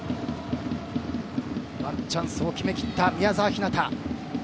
ワンチャンスを決めきった宮澤ひなた。